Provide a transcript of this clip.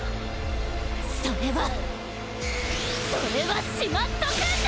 それはそれはしまっとくんだ！